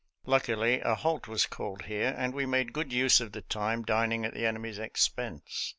Luckily, a halt was called here, and we made good use of the time dining at the enemy's expense.